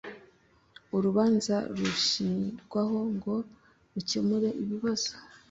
urubanza rushyirwaho ngo rukemure ibibazo.